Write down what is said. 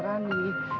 di rumah anak kamu